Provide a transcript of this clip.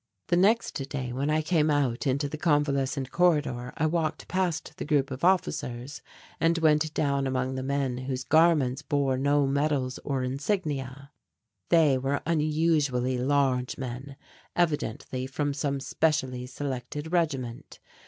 The next day when I came out into the convalescent corridor I walked past the group of officers and went down among the men whose garments bore no medals or insignia. They were unusually large men, evidently from some specially selected regiment.